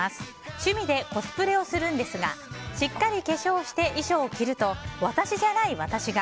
趣味でコスプレをするんですがしっかり化粧をして衣装を着ると私じゃない私が。